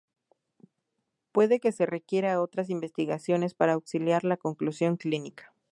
Puede que se requiera otras investigaciones para auxiliar la conclusión clínica.